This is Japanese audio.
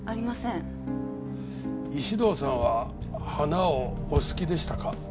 石堂さんは花をお好きでしたか？